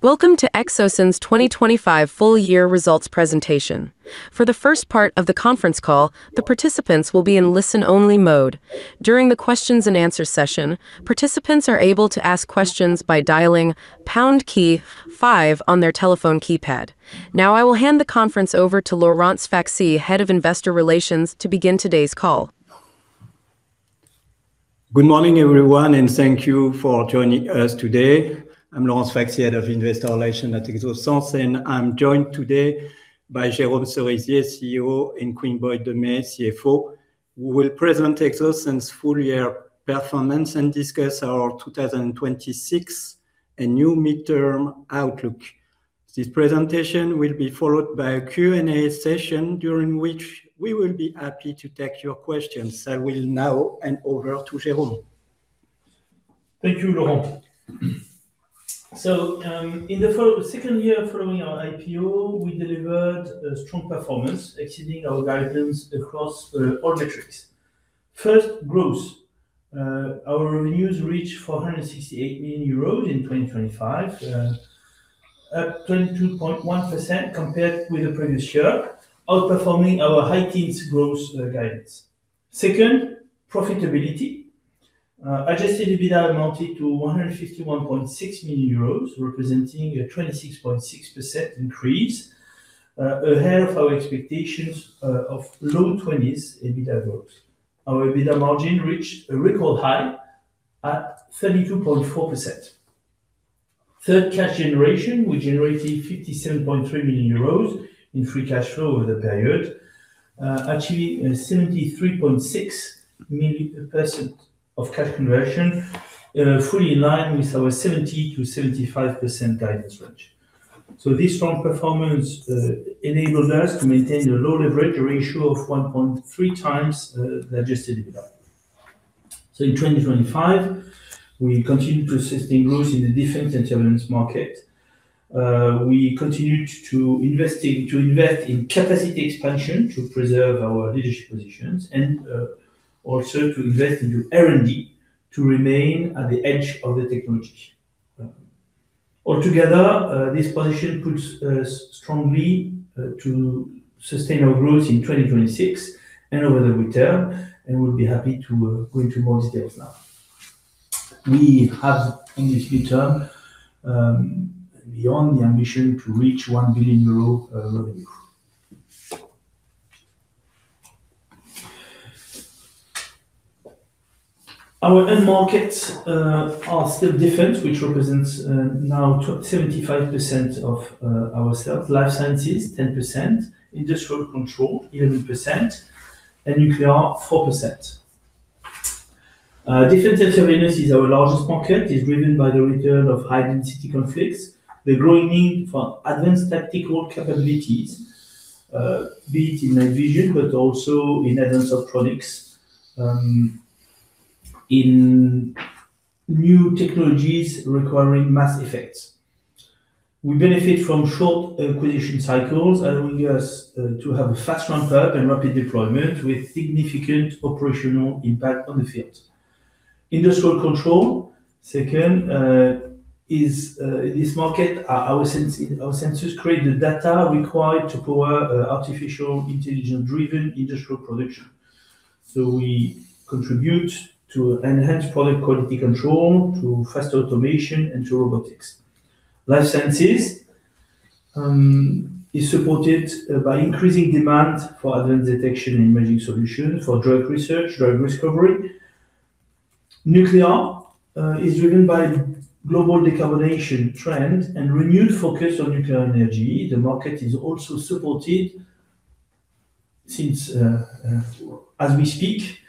Welcome to Exosens 2025 full-year results presentation. For the first part of the conference call, the participants will be in listen-only mode. During the questions and answer session, participants are able to ask questions by dialing pound key five on their telephone keypad. I will hand the conference over to Laurent Sfaxi, Head of Investor Relations, to begin today's call. Good morning, everyone, and thank you for joining us today. I'm Laurent Sfaxi, Head of Investor Relations at Exosens, and I'm joined today by Jérôme Cerisier, CEO, and Quynh-Boi Demey, CFO, who will present Exosens full-year performance and discuss our 2026 and new midterm outlook. This presentation will be followed by a Q&A session, during which we will be happy to take your questions. I will now hand over to Jérôme. Thank you, Laurent. In the second year following our IPO, we delivered a strong performance, exceeding our guidance across all metrics. First, growth. Our revenues reached 468 million euros in 2025, up 22.1% compared with the previous year, outperforming our high teens growth guidance. Second, profitability. Adjusted EBITDA amounted to 151.6 million euros, representing a 26.6% increase, ahead of our expectations of low twenties EBITDA growth. Our EBITDA margin reached a record high at 32.4%. Third, cash generation. We generated 57.3 million euros in free cash flow over the period, achieving a 73.6 million percent of cash conversion, fully in line with our 70%-75% guidance range. This strong performance enabled us to maintain a low leverage ratio of 1.3 times the adjusted EBITDA. In 2025, we continued to sustain growth in the defense and surveillance market. We continued to invest in capacity expansion to preserve our leadership positions and also to invest into R&D to remain at the edge of the technology. Altogether, this position puts us strongly to sustain our growth in 2026 and over the midterm, and we'll be happy to go into more details now. We have in this midterm, beyond the ambition to reach 1 billion euro revenue. Our end markets are still different, which represents now 75% of our sales. Life sciences, 10%, industrial control, 11%, and nuclear, 4%. Defense and surveillance is our largest market, is driven by the return of high-density conflicts, the growing need for advanced tactical capabilities, be it in night vision, but also in advanced products, in new technologies requiring mass effects. We benefit from short acquisition cycles, allowing us to have a fast ramp-up and rapid deployment with significant operational impact on the field. Industrial control, second, is in this market, our sense, our sensors create the data required to power artificial intelligence-driven industrial production. We contribute to enhanced product quality control, to faster automation, and to robotics. Life sciences, is supported by increasing demand for advanced detection and imaging solutions for drug research, drug discovery. Nuclear is driven by global decarbonization trend and renewed focus on nuclear energy. The market is also supported since, as we speak,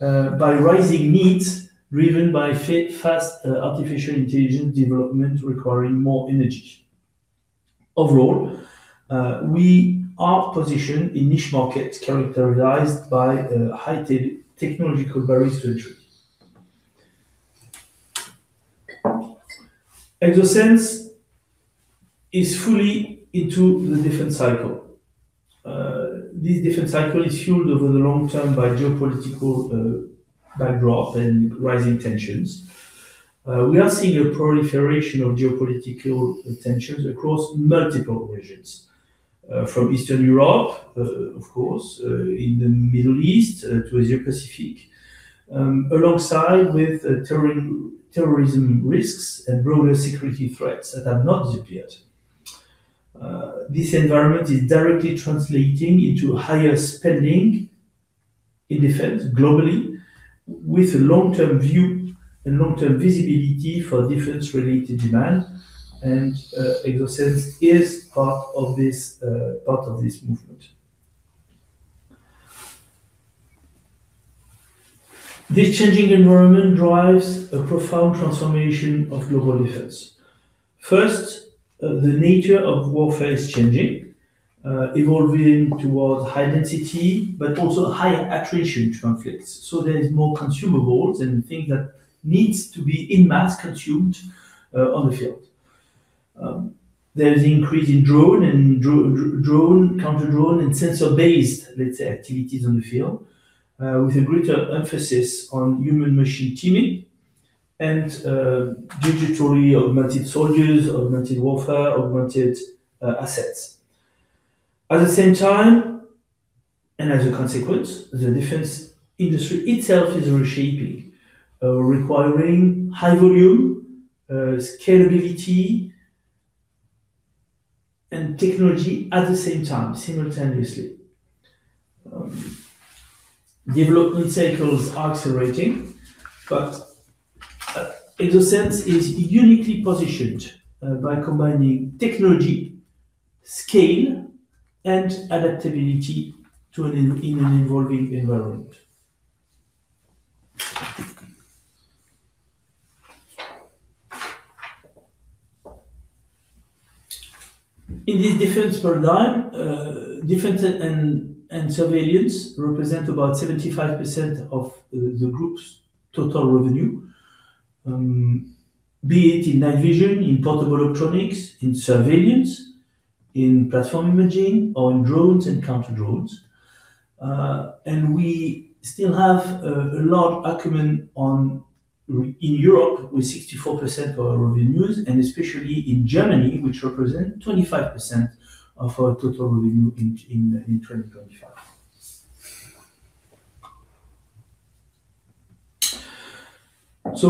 by rising needs driven by fast artificial intelligence development requiring more energy. Overall, we are positioned in niche markets characterized by a high technological barrier to entry. Exosens is fully into the defense cycle. This defense cycle is fueled over the long term by geopolitical backdrop and rising tensions. We are seeing a proliferation of geopolitical tensions across multiple regions, from Eastern Europe, of course, in the Middle East to Asia-Pacific, alongside with terrorism risks and broader security threats that have not disappeared. This environment is directly translating into higher spending in defense globally, with a long-term view and long-term visibility for defense-related demand, and Exosens is part of this part of this movement. This changing environment drives a profound transformation of global defense. First, the nature of warfare is changing, evolving towards high density, but also higher attrition conflicts. There is more consumables and things that needs to be in mass consumed on the field. There is an increase in drone and drone, counter drone, and sensor-based, let's say, activities on the field, with a greater emphasis on human-machine teaming and digitally augmented soldiers, augmented warfare, augmented assets. At the same time, as a consequence, the defense industry itself is reshaping, requiring high volume, scalability, and technology at the same time, simultaneously. Development cycles are accelerating, Exosens is uniquely positioned by combining technology, scale, and adaptability in an evolving environment. In this defense paradigm, defense and surveillance represent about 75% of the group's total revenue. Be it in night vision, in portable electronics, in surveillance, in platform imaging, or in drones and counter drones. We still have a large acumen on in Europe, with 64% of our revenues, and especially in Germany, which represent 25% of our total revenue in 2025.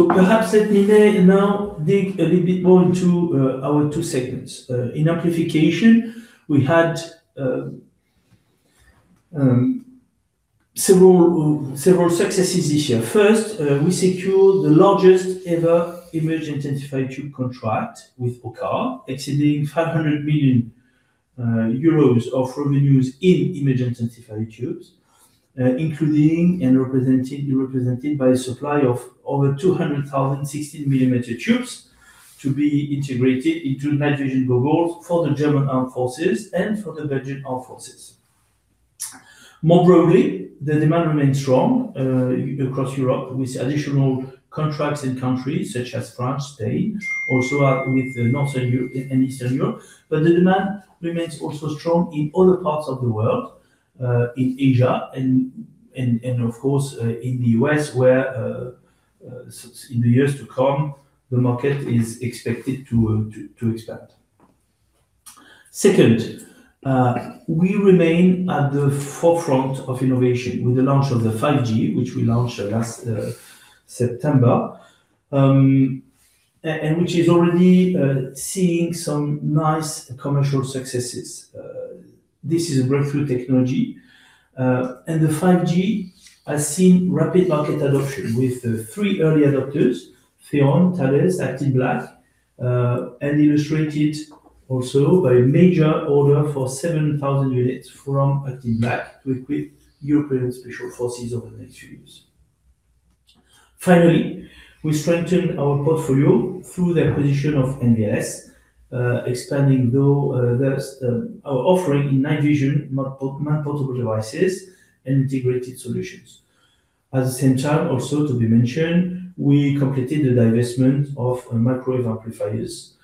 Perhaps, let me now dig a little bit more into our two segments. In amplification, we had several several successes this year. First, we secured the largest ever image intensifier tube contract with OCCAR, exceeding 500 million euros of revenues in image intensifier tubes. Including represented by a supply of over 200,000 16mm tubes to be integrated into night vision goggles for the German Armed Forces and for the Belgian Armed Forces. More broadly, the demand remains strong across Europe, with additional contracts in countries such as France, Spain, also out with Northern Europe and Eastern Europe. The demand remains also strong in other parts of the world, in Asia and, and, and of course, in the US, where in the years to come, the market is expected to expand. Second, we remain at the forefront of innovation with the launch of the 5G, which we launched last September, and which is already seeing some nice commercial successes. This is a breakthrough technology, the 5G has seen rapid market adoption with three early adopters: Theon, Thales, ACTinBlack, and illustrated also by a major order for 7,000 units from ACTinBlack to equip European special forces over the next few years. Finally, we strengthened our portfolio through the acquisition of NVLS, expanding though, thus, our offering in night vision, manportable devices and integrated solutions. At the same time, also to be mentioned, we completed the divestment of microwave amplifiers,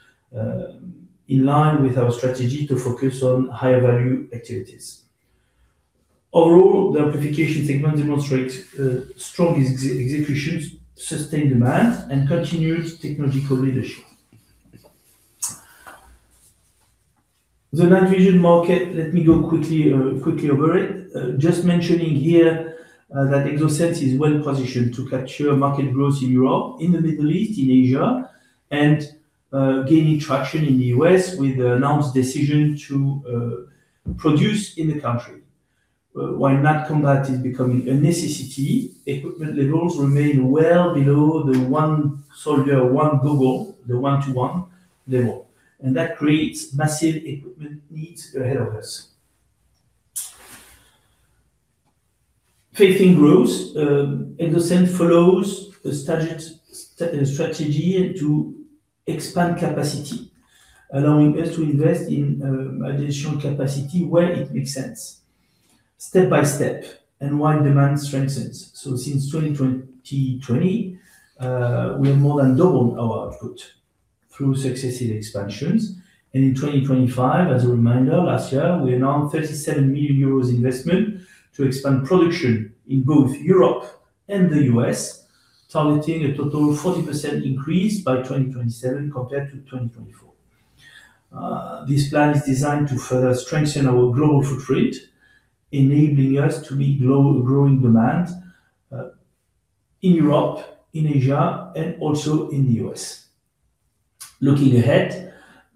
in line with our strategy to focus on higher-value activities. Overall, the amplification segment demonstrates strong execution, sustained demand, and continuous technological leadership. The night vision market, let me go quickly, quickly over it. Just mentioning here, that Exosens is well positioned to capture market growth in Europe, in the Middle East, in Asia, and gaining traction in the US with the announced decision to produce in the country. While night combat is becoming a necessity, equipment levels remain well below the one soldier, one goggle, the one-to-one level, and that creates massive equipment needs ahead of us. Facing growth, Exosens follows a strategy to expand capacity, allowing us to invest in additional capacity where it makes sense, step by step and while demand strengthens. Since 2020, we have more than doubled our output through successive expansions. In 2025, as a reminder, last year, we announced 37 million euros investment to expand production in both Europe and the U.S., targeting a total 40% increase by 2027 compared to 2024. This plan is designed to further strengthen our global footprint, enabling us to meet global growing demand in Europe, in Asia, and also in the U.S. Looking ahead,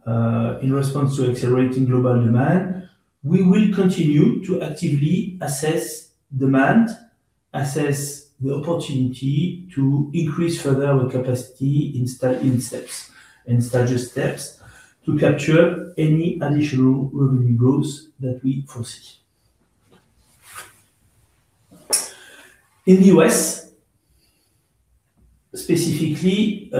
in response to accelerating global demand, we will continue to actively assess demand, assess the opportunity to increase further our capacity in steps, in staggered steps, to capture any additional revenue growth that we foresee. In the U.S., specifically,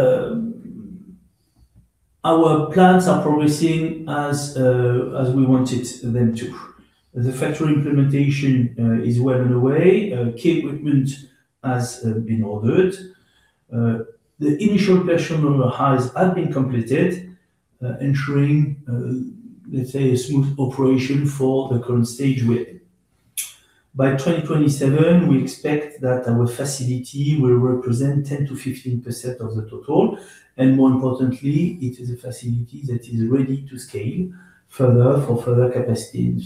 our plans are progressing as we wanted them to. The factory implementation is well underway. Key equipment has been ordered. The initial personal number have been completed, ensuring, let's say, a smooth operation for the current stage well. By 2027, we expect that our facility will represent 10%-15% of the total, more importantly, it is a facility that is ready to scale further for further capacity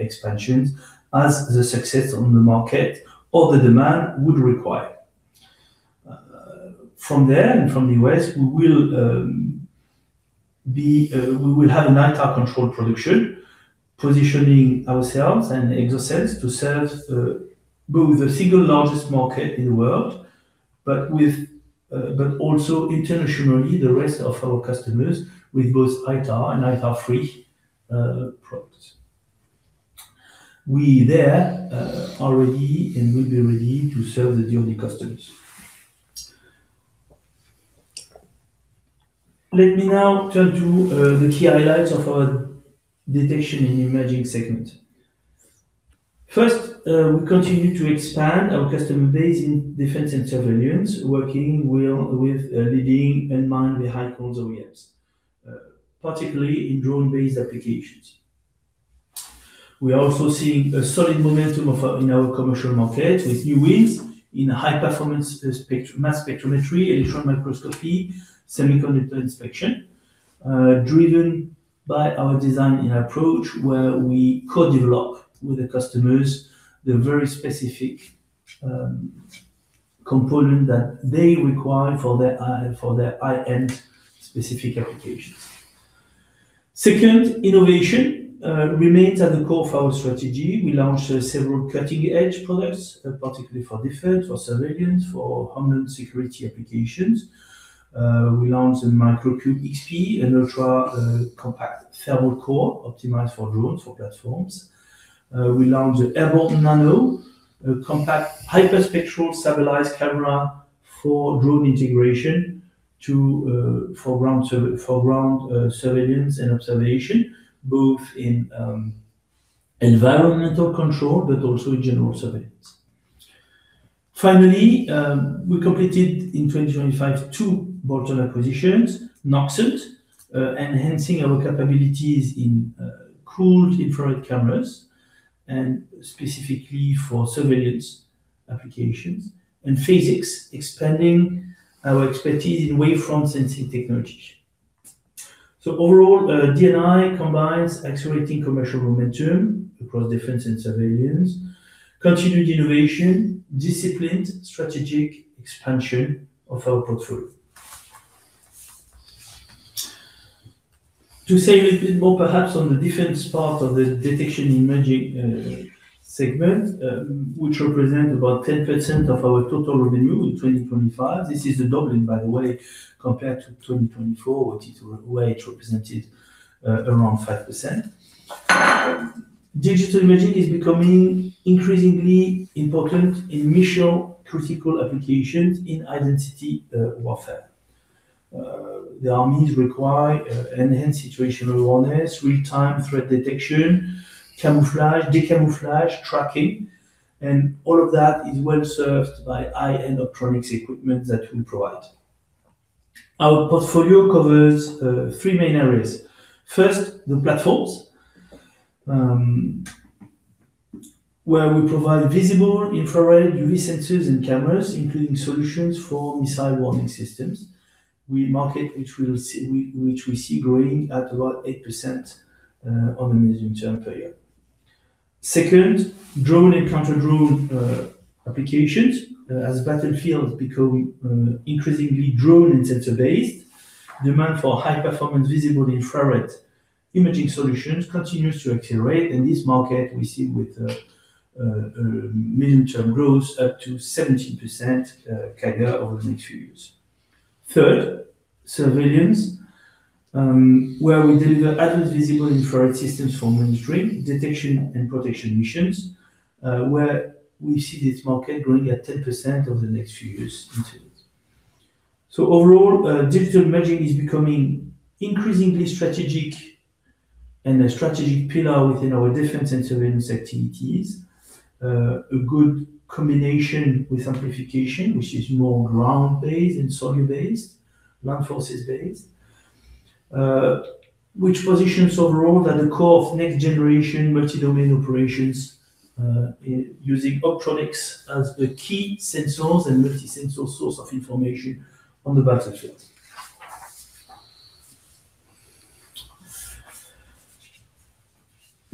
expansions as the success on the market or the demand would require. From there, from the US, we will have an ITAR-controlled production, positioning ourselves and Exosens to serve both the single largest market in the world, but also internationally, the rest of our customers with both ITAR and ITAR-free products. We there are ready and will be ready to serve the DND customers. Let me now turn to the key highlights of our detection and imaging segment. First, we continue to expand our customer base in defense and surveillance, working well with leading and mainly high-end OEMs, particularly in drone-based applications. We are also seeing a solid momentum of in our commercial market, with new wins in high-performance mass spectrometry, electron microscopy, semiconductor inspection, driven by our design and approach, where we co-develop with the customers the very specific component that they require for their high-end specific applications. Second, innovation remains at the core of our strategy. We launched several cutting-edge products, particularly for defense, for surveillance, for homeland security applications. We launched the MicroCube XP, an ultra compact thermal core optimized for drones, for platforms. We launched the Airborne Nano, a compact hyperspectral stabilized camera for drone integration for ground surveillance and observation, both in environmental control, but also in general surveillance. Finally, we completed in 2025, two Bolt-on acquisitions, Noxant, enhancing our capabilities in cooled infrared cameras, and specifically for surveillance applications, and Phasics, expanding our expertise in wavefront sensing technology. Overall, D&I combines accelerating commercial momentum across defense and surveillance, continued innovation, disciplined strategic expansion of our portfolio. To say a little bit more, perhaps, on the defense part of the detection imaging segment, which represent about 10% of our total revenue in 2025. This is the doubling, by the way, compared to 2024, where it represented around 5%. Digital imaging is becoming increasingly important in mission-critical applications in identity, warfare. The armies require enhanced situational awareness, real-time threat detection, camouflage, de-camouflage, tracking, and all of that is well served by high-end optronics equipment that we provide. Our portfolio covers three main areas. First, the platforms, where we provide visible, infrared, UV sensors and cameras, including solutions for missile warning systems. We market, which we see growing at about 8%, on a medium-term per year. Second, drone and counter-drone applications. As battlefields become increasingly drone and sensor-based, demand for high-performance visible and infrared imaging solutions continues to accelerate, and this market we see with a medium-term growth up to 17% CAGR over the next few years. Third, surveillance, where we deliver advanced visible infrared systems for monitoring, detection, and protection missions, where we see this market growing at 10% over the next few years into it. Overall, digital imaging is becoming increasingly strategic and a strategic pillar within our defense and surveillance activities. A good combination with amplification, which is more ground-based and soldier-based, land forces-based, which positions overall at the core of next-generation multi-domain operations, using optronics as the key sensors and multi-sensor source of information on the battlefield.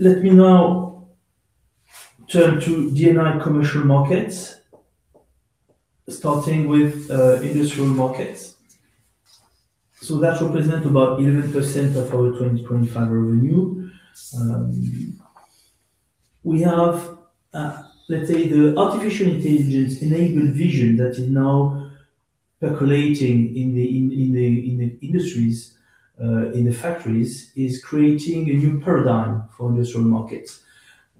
Let me now turn to D&I commercial markets, starting with industrial markets. That represent about 11% of our 2025 revenue. We have the artificial intelligence-enabled vision that is now percolating in the industries, in the factories, is creating a new paradigm for industrial markets.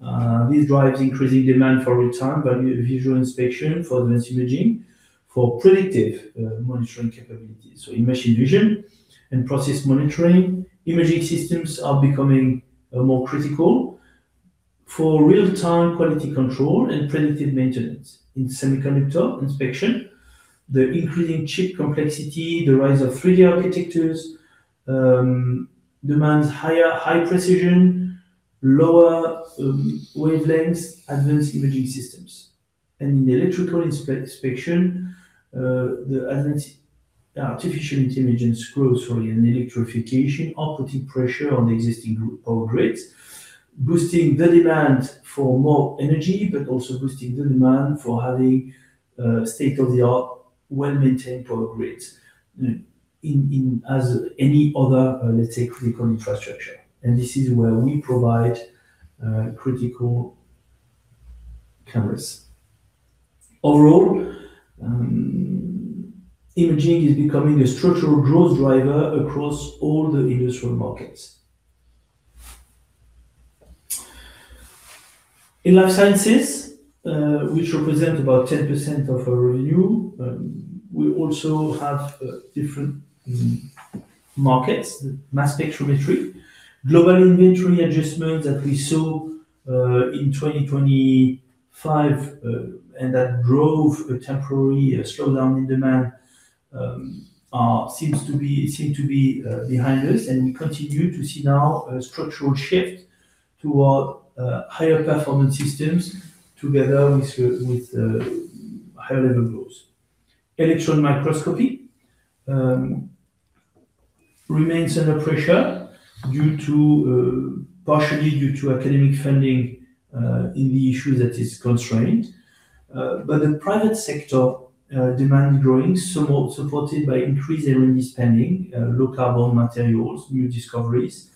This drives increasing demand for real-time value visual inspection, for advanced imaging, for predictive monitoring capabilities. In machine vision and process monitoring, imaging systems are becoming more critical for real-time quality control and predictive maintenance. In semiconductor inspection, the increasing chip complexity, the rise of 3D architectures, demands higher high precision, lower wavelengths, advanced imaging systems. In electrical inspection, the advanced artificial intelligence growth and electrification are putting pressure on the existing power grids, boosting the demand for more energy, but also boosting the demand for having state-of-the-art, well-maintained power grids as any other critical infrastructure. This is where we provide critical cameras. Overall, imaging is becoming a structural growth driver across all the industrial markets. In life sciences, which represent about 10% of our revenue, we also have different markets. Mass spectrometry. Global inventory adjustments that we saw in 2025, and that drove a temporary slowdown in demand, seem to be behind us, and we continue to see now a structural shift toward higher performance systems, together with higher level growth. Electron microscopy remains under pressure due to partially due to academic funding in the issue that is constrained. But the private sector demand growing, supported by increased R&D spending, low-carbon materials, new discoveries,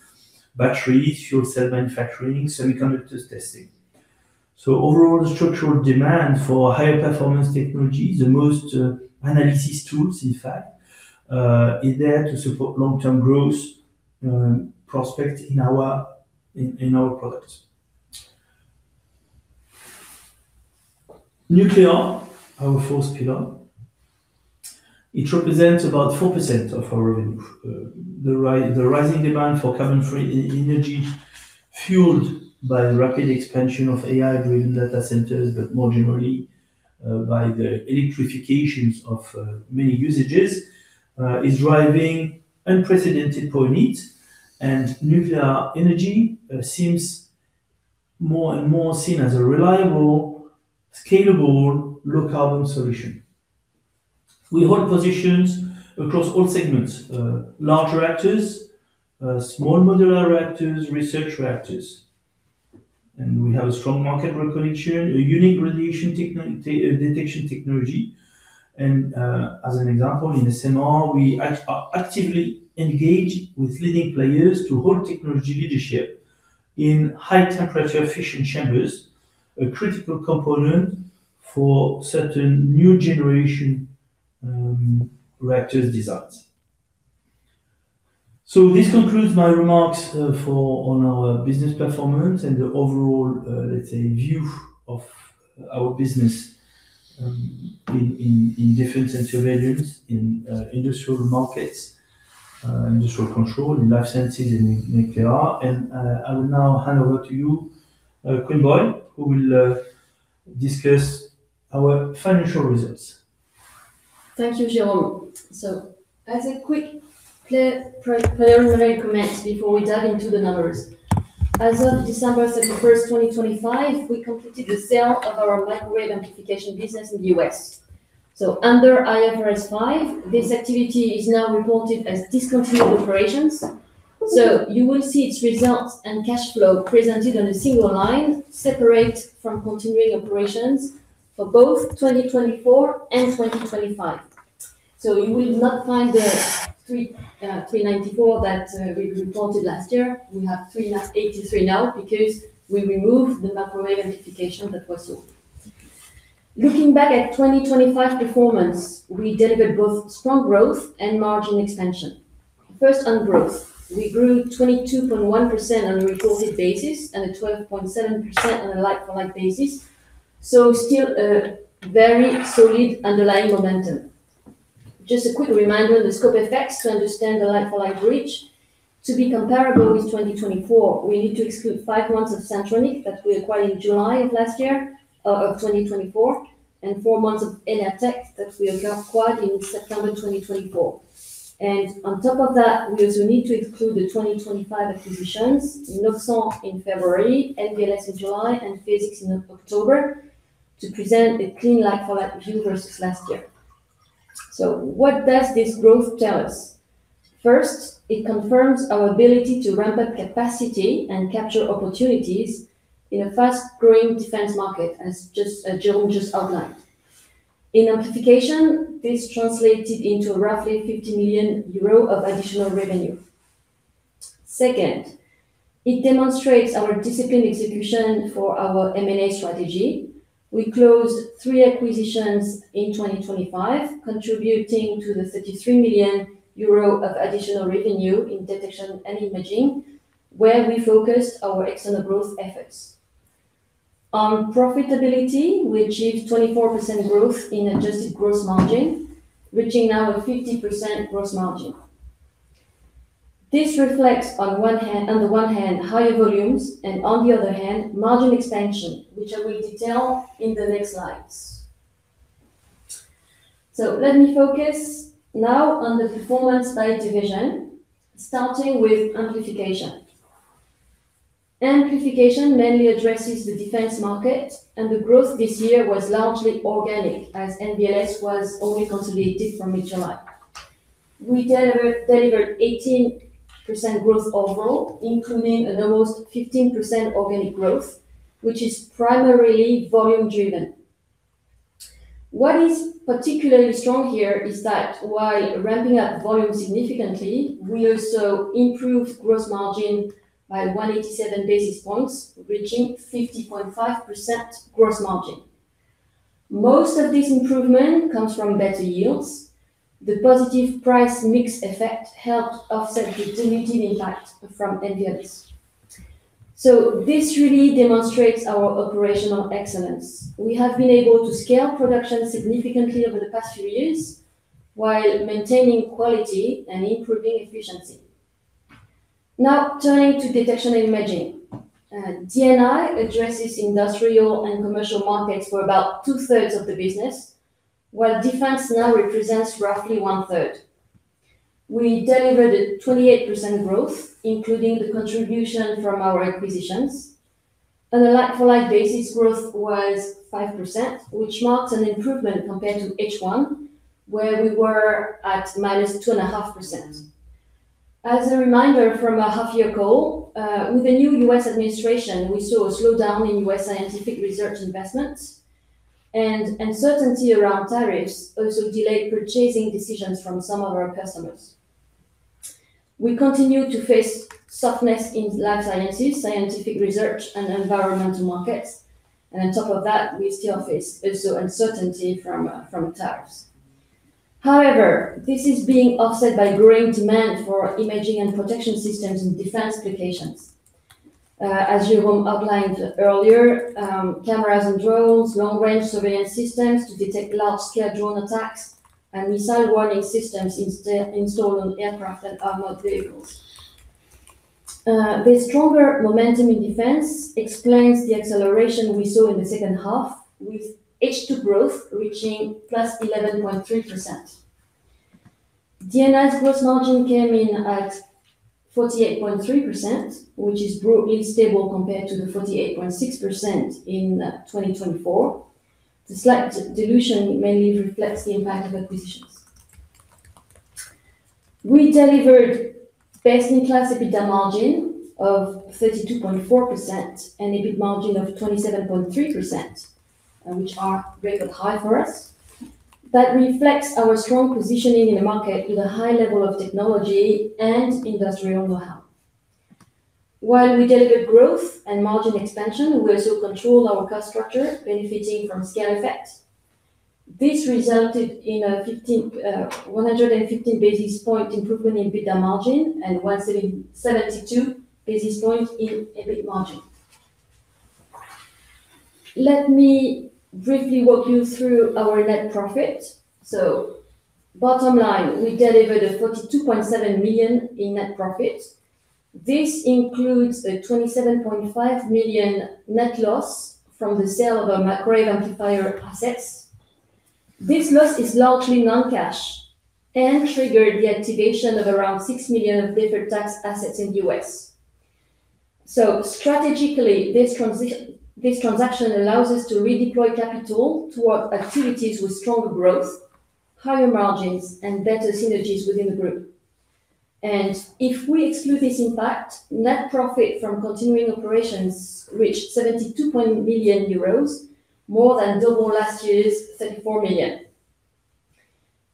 batteries, fuel cell manufacturing, semiconductors testing. Overall, structural demand for higher performance technology, the most analysis tools, in fact, is there to support long-term growth prospect in our, in, in our products. Nuclear, our fourth pillar. It represents about 4% of our revenue. The rising demand for carbon-free e- energy, fueled by the rapid expansion of AI-driven data centers, but more generally, by the electrifications of many usages, is driving unprecedented power needs, and nuclear energy seems more and more seen as a reliable, scalable, low-carbon solution. We hold positions across all segments: larger reactors, small modular reactors, research reactors. We have a strong market recognition, a unique radiation detection technology. As an example, in SMR, we are actively engaged with leading players to hold technology leadership in high-temperature fission chambers, a critical component for certain new generation reactors designs. This concludes my remarks for on our business performance and the overall, let's say, view of our business in different sense of areas, in industrial markets, industrial control, in life sciences, in nuclear. I will now hand over to you, Quynh-Boi, who will discuss our financial results. Thank you, Jérôme. As a quick pre-preliminary comments before we dive into the numbers. As of 31 December 2025, we completed the sale of our Microwave Amplifier business in the U.S. Under IFRS 5, this activity is now reported as discontinued operations, so you will see its results and cash flow presented on a single line, separate from continuing operations for both 2024 and 2025. You will not find the 394 that we reported last year. We have 383 now because we removed the Microwave Amplifier that was sold. Looking back at 2025 performance, we delivered both strong growth and margin expansion. First, on growth. We grew 22.1% on a recorded basis and a 12.7% on a like-for-like basis. Still, a very solid underlying momentum. Just a quick reminder on the scope effects to understand the like-for-like bridge. To be comparable with 2024, we need to exclude five months of Centronic that we acquired in July of last year, of 2024, and four months of LR Tech that we acquired in September 2024. On top of that, we also need to exclude the 2025 acquisitions, Noxant in February, NVLS in July, and Phasics in October, to present a clean like-for-like view versus last year. What does this growth tell us? First, it confirms our ability to ramp up capacity and capture opportunities in a fast-growing defense market, as just, Jérôme just outlined. In amplification, this translated into roughly 50 million euro of additional revenue. Second, it demonstrates our disciplined execution for our M&A strategy. We closed three acquisitions in 2025, contributing to 33 million euro of additional revenue in detection and imaging, where we focused our external growth efforts. On profitability, we achieved 24% growth in adjusted gross margin, reaching now a 50% gross margin. This reflects on the one hand, higher volumes, and on the other hand, margin expansion, which I will detail in the next slides. Let me focus now on the performance by division, starting with amplification. Amplification mainly addresses the defense market. The growth this year was largely organic, as NVLS was only consolidated from July. We delivered 18% growth overall, including an almost 15% organic growth, which is primarily volume-driven. What is particularly strong here is that while ramping up volume significantly, we also improved gross margin by 187 basis points, reaching 50.5% gross margin. Most of this improvement comes from better yields. The positive price mix effect helped offset the dilutive impact from NVLS. This really demonstrates our operational excellence. We have been able to scale production significantly over the past few years while maintaining quality and improving efficiency. Turning to detection and imaging. D&I addresses industrial and commercial markets for about two-thirds of the business, while defense now represents roughly one-third. We delivered a 28% growth, including the contribution from our acquisitions, and the like for like basis growth was 5%, which marks an improvement compared to H1, where we were at -2.5%. As a reminder from our half-year goal, with the new U.S. administration, we saw a slowdown in U.S. scientific research investments, and uncertainty around tariffs also delayed purchasing decisions from some of our customers. We continue to face softness in life sciences, scientific research, and environmental markets, and on top of that, we still face also uncertainty from tariffs. However, this is being offset by growing demand for imaging and protection systems in defense applications. As Jérôme outlined earlier, cameras and drones, long-range surveillance systems to detect large-scale drone attacks and missile warning systems installed on aircraft and armored vehicles. The stronger momentum in defense explains the acceleration we saw in the second half, with H2 growth reaching +11.3%. D&I's gross margin came in at 48.3%, which is broadly stable compared to the 48.6% in 2024. The slight dilution mainly reflects the impact of acquisitions. We delivered basically class EBITDA margin of 32.4% and EBIT margin of 27.3%, which are record high for us. That reflects our strong positioning in the market with a high level of technology and industrial know-how. While we delivered growth and margin expansion, we also controlled our cost structure, benefiting from scale effects. This resulted in a 115 basis point improvement in EBITDA margin and 172 basis point in EBIT margin. Let me briefly walk you through our net profit. Bottom line, we delivered a 42.7 million in net profit. This includes a 27.5 million net loss from the sale of our Microwave Amplifier assets. This loss is largely non-cash and triggered the activation of around 6 million of deferred tax assets in the U.S. Strategically, this transaction allows us to redeploy capital towards activities with stronger growth, higher margins, and better synergies within the group. If we exclude this impact, net profit from continuing operations reached 72 million euros, more than double last year's 34 million.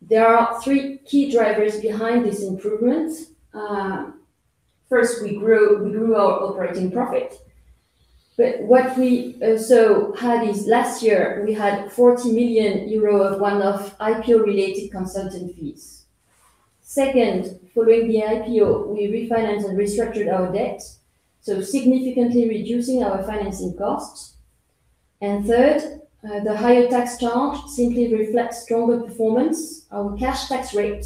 There are three key drivers behind this improvement. First, we grew our operating profit, but what we also had is last year we had 40 million euro of one-off IPO-related consulting fees. Second, following the IPO, we refinanced and restructured our debt, significantly reducing our financing costs. Third, the higher tax charge simply reflects stronger performance. Our cash tax rate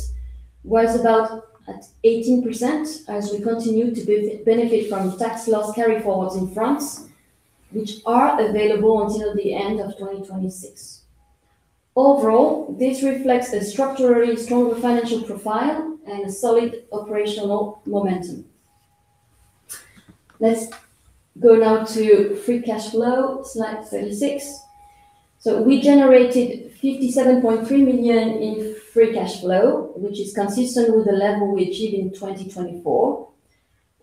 was about at 18% as we continue to benefit from tax loss carryforwards in France, which are available until the end of 2026. This reflects a structurally stronger financial profile and a solid operational momentum. Let's go now to free cash flow, slide 36. We generated 57.3 million in free cash flow, which is consistent with the level we achieved in 2024.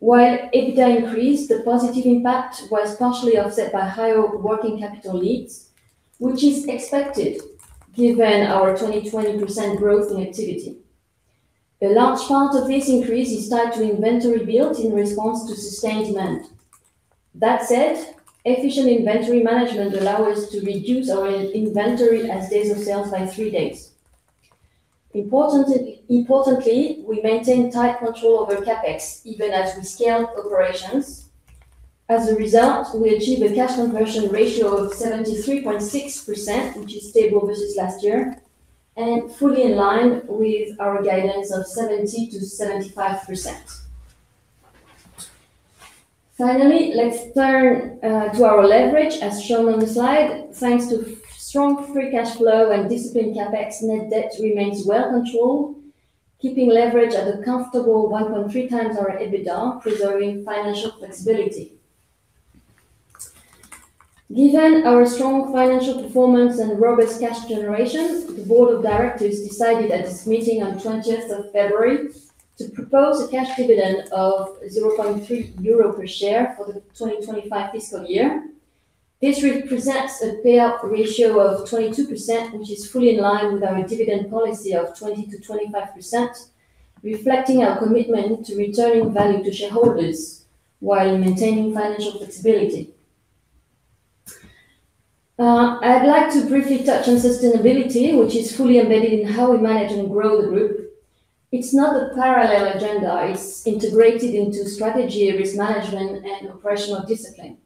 While EBITDA increased, the positive impact was partially offset by higher working capital needs, which is expected given our 20% growth in activity. A large part of this increase is tied to inventory built in response to sustained demand. Efficient inventory management allow us to reduce our in-inventory as days of sales by three days. Importantly, we maintain tight control over CapEx even as we scale operations. As a result, we achieved a cash conversion ratio of 73.6%, which is stable versus last year, and fully in line with our guidance of 70%-75%. Finally, let's turn to our leverage, as shown on the slide. Thanks to strong free cash flow and disciplined CapEx, net debt remains well controlled, keeping leverage at a comfortable 1.3x our EBITDA, preserving financial flexibility. Given our strong financial performance and robust cash generation, the board of directors decided at its meeting on 20 February, to propose a cash dividend of 0.3 euro per share for the 2025 fiscal year. This represents a payout ratio of 22%, which is fully in line with our dividend policy of 20%-25%, reflecting our commitment to returning value to shareholders while maintaining financial flexibility. I'd like to briefly touch on sustainability, which is fully embedded in how we manage and grow the group. It's not a parallel agenda, it's integrated into strategy, risk management, and operational discipline.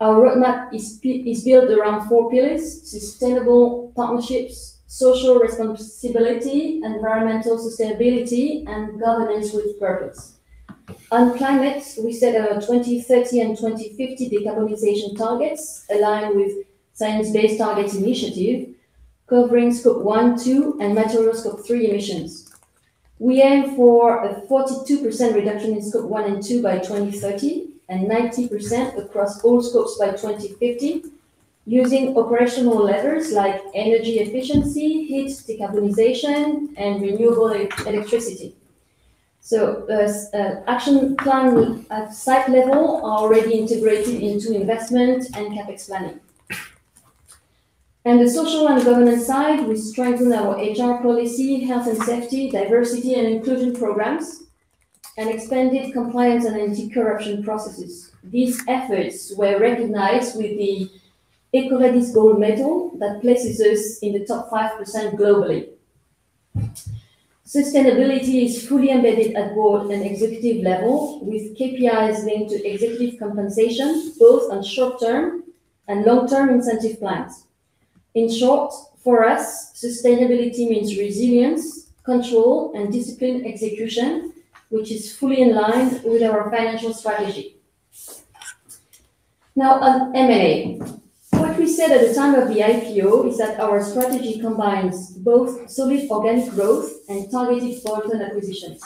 Our roadmap is built around four pillars: sustainable partnerships, social responsibility, environmental sustainability, and governance with purpose. On climate, we set our 2030 and 2050 decarbonization targets aligned with Science Based Targets initiative, covering Scope 1, 2, and materials of 3 emissions. We aim for a 42% reduction in Scope 1 and 2 by 2030, and 90% across all scopes by 2050, using operational levers like energy efficiency, heat decarbonization, and renewable electricity. Action plan with at site level are already integrated into investment and CapEx planning. On the social and governance side, we strengthen our HR policy, health and safety, diversity and inclusion programs, and expanded compliance and anti-corruption processes. These efforts were recognized with the EcoVadis Gold Medal that places us in the top 5% globally. Sustainability is fully embedded at board and executive level, with KPIs linked to executive compensation, both on short-term and long-term incentive plans. In short, for us, sustainability means resilience, control, and disciplined execution, which is fully in line with our financial strategy. Now, on M&A. What we said at the time of the IPO is that our strategy combines both solid organic growth and targeted bolt-on acquisitions.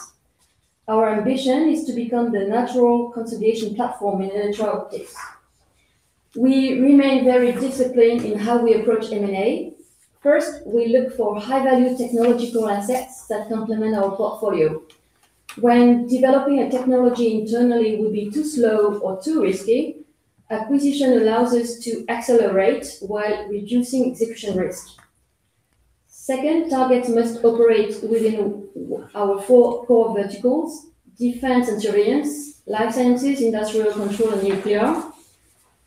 Our ambition is to become the natural consolidation platform in electro-optics. We remain very disciplined in how we approach M&A. First, we look for high-value technological assets that complement our portfolio. When developing a technology internally would be too slow or too risky, acquisition allows us to accelerate while reducing execution risk. Second, targets must operate within our four core verticals: defense and surveillance, life sciences, industrial control, and nuclear,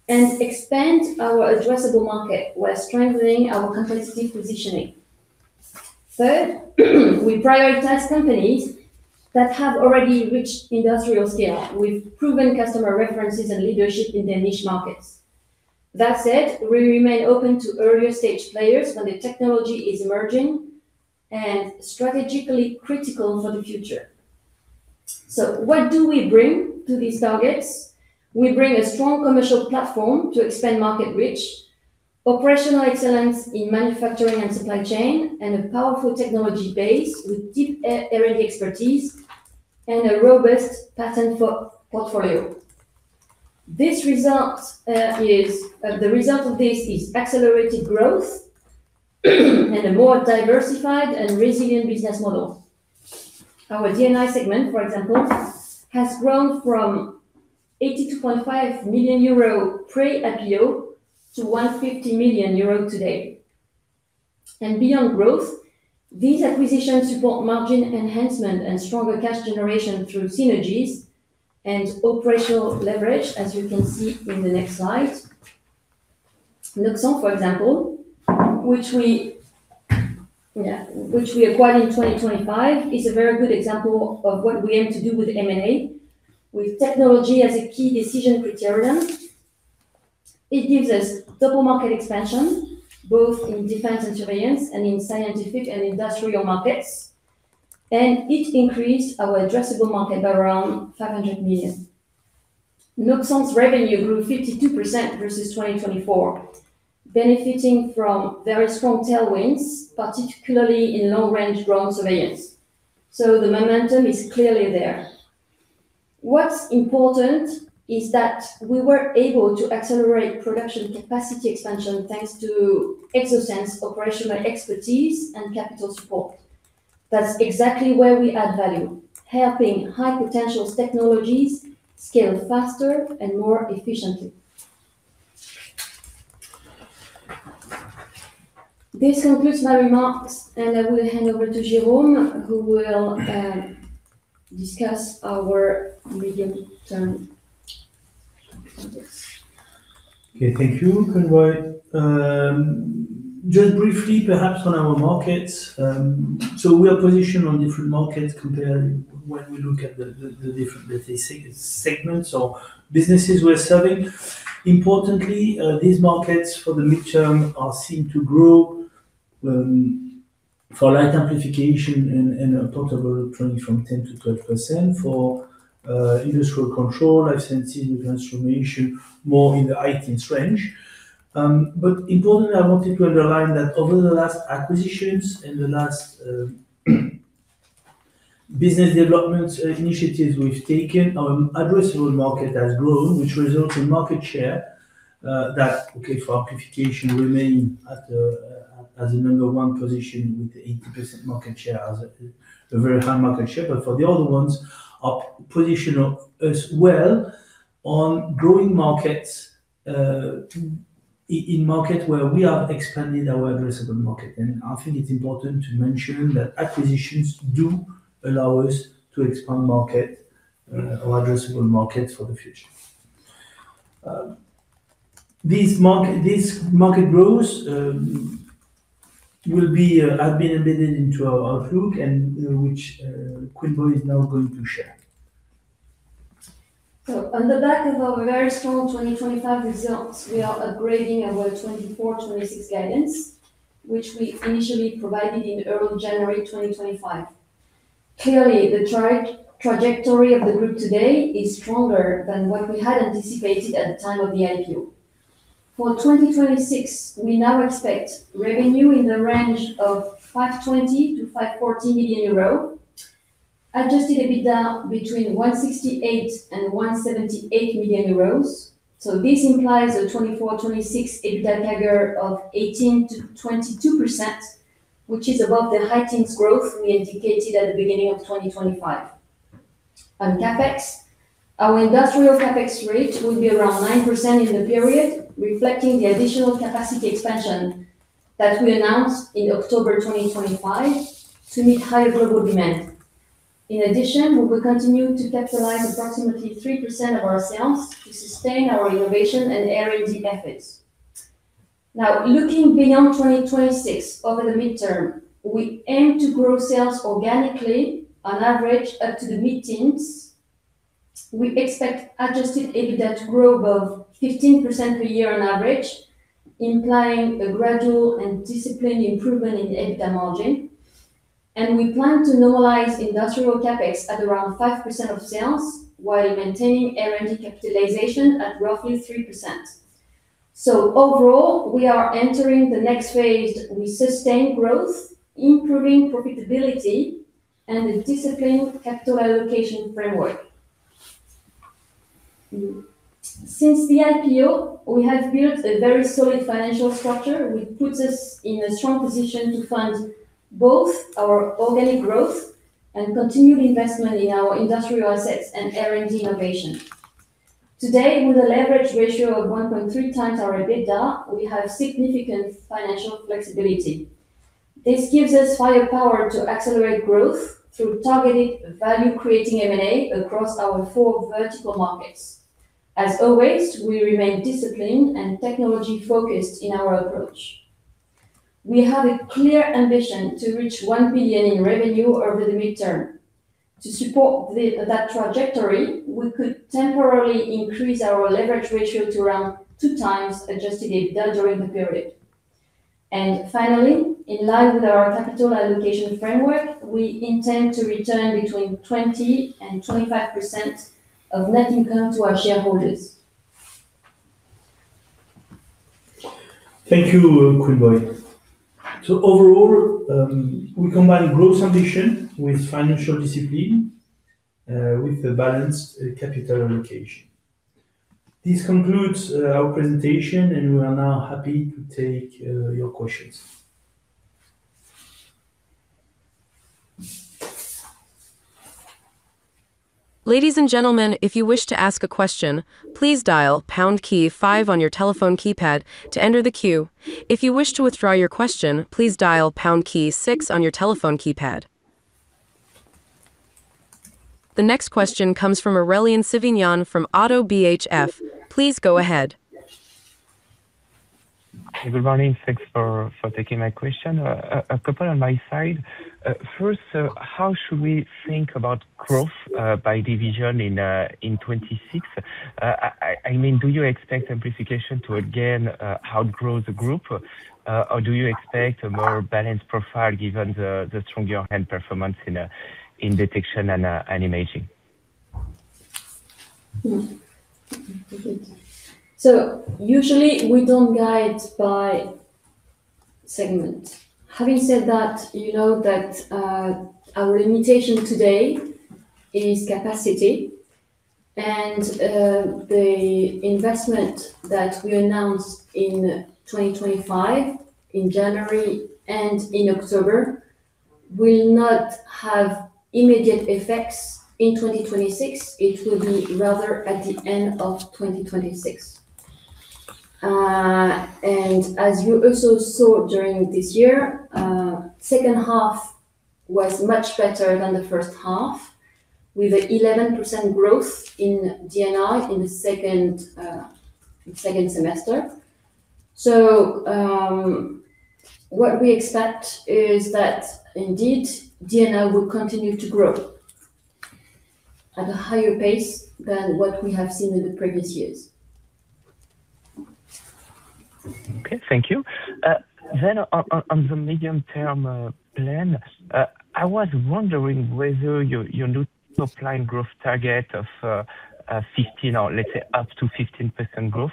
and expand our addressable market while strengthening our competitive positioning. Third, we prioritize companies that have already reached industrial scale, with proven customer references and leadership in their niche markets. That said, we remain open to earlier-stage players when the technology is emerging and strategically critical for the future. What do we bring to these targets? We bring a strong commercial platform to expand market reach, operational excellence in manufacturing and supply chain, and a powerful technology base with deep R&D expertise and a robust patent portfolio. This result is. The result of this is accelerated growth, and a more diversified and resilient business model. Our D&I segment, for example, has grown from 82.5 million euro pre-IPO to 150 million euro today. Beyond growth, these acquisitions support margin enhancement and stronger cash generation through synergies and operational leverage, as you can see in the next slide. Noxant, for example, which we, yeah, which we acquired in 2025, is a very good example of what we aim to do with M&A, with technology as a key decision criterion. It gives us double market expansion, both in defense and surveillance and in scientific and industrial markets, and it increased our addressable market by around 500 million. Noxant's revenue grew 52% versus 2024, benefiting from very strong tailwinds, particularly in long-range ground surveillance. The momentum is clearly there. What's important is that we were able to accelerate production capacity expansion, thanks to Exosens operational expertise and capital support. That's exactly where we add value, helping high-potential technologies scale faster and more efficiently. This concludes my remarks, and I will hand over to Jérôme, who will discuss our medium-term focus. Okay, thank you, Quynh-Boi. Just briefly, perhaps on our markets. We are positioned on different markets compared when we look at the different segments or businesses we're serving. Importantly, these markets for the midterm are seen to grow for light amplification and a portable 20 from 10%-12% for industrial control, high sensitivity transformation, more in the high teens range. Importantly, I wanted to underline that over the last acquisitions and the last business development initiatives we've taken, our addressable market has grown, which results in market share that, okay, for amplification remain at the as the number one position with the 80% market share, as a very high market share. For the other ones, our position as well on growing markets, in market where we are expanding our addressable market. I think it's important to mention that acquisitions do allow us to expand market, or addressable markets for the future. This market, this market growth, will be, have been embedded into our outlook and, which, Quynh-Boi is now going to share. On the back of our very strong 2025 results, we are upgrading our 2024-2026 guidance, which we initially provided in early January 2025. Clearly, the trajectory of the group today is stronger than what we had anticipated at the time of the IPO. For 2026, we now expect revenue in the range of 520 million-540 million euro. Adjusted EBITDA between 168 million and 178 million euros. This implies a 2024/2026 EBITDA CAGR of 18%-22%, which is above the high teens growth we indicated at the beginning of 2025. On CapEx, our industrial CapEx rate will be around 9% in the period, reflecting the additional capacity expansion that we announced in October 2025 to meet higher global demand. In addition, we will continue to capitalize approximately 3% of our sales to sustain our innovation and R&D efforts. Looking beyond 2026, over the midterm, we aim to grow sales organically on average, up to the mid-teens. We expect adjusted EBITDA to grow above 15% per year on average, implying a gradual and disciplined improvement in the EBITDA margin. We plan to normalize industrial CapEx at around 5% of sales, while maintaining R&D capitalization at roughly 3%. Overall, we are entering the next phase with sustained growth, improving profitability, and a disciplined capital allocation framework. Since the IPO, we have built a very solid financial structure, which puts us in a strong position to fund both our organic growth and continued investment in our industrial assets and R&D innovation. Today, with a leverage ratio of 1.3 times our EBITDA, we have significant financial flexibility. This gives us firepower to accelerate growth through targeted value-creating M&A across our four vertical markets. As always, we remain disciplined and technology-focused in our approach. We have a clear ambition to reach 1 billion in revenue over the midterm. To support that trajectory, we could temporarily increase our leverage ratio to around 2 times adjusted EBITDA during the period. Finally, in line with our capital allocation framework, we intend to return between 20%-25% of net income to our shareholders. Thank you, Quynh-Boi. Overall, we combine growth ambition with financial discipline, with a balanced capital allocation. This concludes our presentation, and we are now happy to take your questions. Ladies and gentlemen, if you wish to ask a question, please dial pound key five on your telephone keypad to enter the queue. If you wish to withdraw your question, please dial pound key six on your telephone keypad. The next question comes from Aurélien Sivignon from Oddo BHF. Please go ahead. Good morning. Thanks for, for taking my question. A couple on my side. First, how should we think about growth by division in 2026? I mean, do you expect amplification to again outgrow the group? Or do you expect a more balanced profile given the stronger end performance in detection and imaging? Usually, we don't guide by segment. Having said that, you know that our limitation today is capacity, and the investment that we announced in 2025, in January and in October, will not have immediate effects in 2026. It will be rather at the end of 2026. And as you also saw during this year, second half was much better than the first half, with 11% growth in D&I in the second, second semester. What we expect is that indeed, D&I will continue to grow at a higher pace than what we have seen in the previous years. Okay, thank you. On the medium-term plan, I was wondering whether your, your new supply growth target of 15, or let's say up to 15% growth,